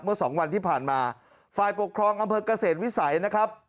สองวันที่ผ่านมาฝ่ายปกครองอำเภอกเกษตรวิสัยนะครับ